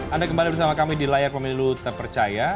anda kembali bersama kami di layar pemilu terpercaya